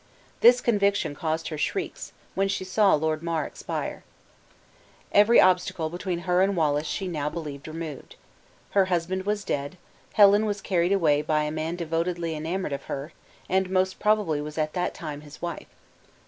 This conviction caused her shrieks, when she saw Lord Mar expire. Every obstacle between her and Wallace she now believed removed. Her husband was dead; Helen was carried away by a man devotedly enamored of her; and most probably was at that time his wife.